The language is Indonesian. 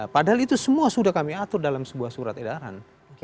padahal itu semua sudah kami atur dalam sebuah surat edaran